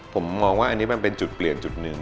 ผมมองว่าอันนี้มันเป็นจุดเปลี่ยนจุดหนึ่ง